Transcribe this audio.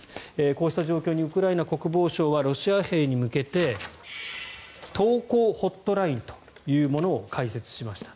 こうした状況にウクライナ国防省はロシア兵に向けて投降ホットラインというものを開設しました。